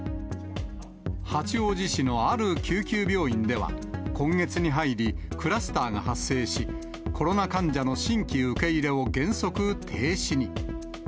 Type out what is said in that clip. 八王子市のある救急病院では、今月に入り、クラスターが発生し、コロナ患者の新規受け入れを原則停止に。